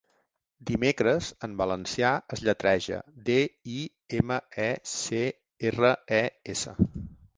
'Dimecres' en valencià es lletreja: de, i, eme, e, ce, erre, e, esse.